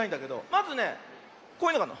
まずねこういうのがあるの。